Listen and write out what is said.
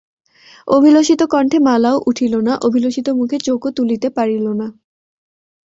অভিলষিত কণ্ঠে মালাও উঠিল না, অভিলষিত মুখে চোখও তুলিতে পারিল না।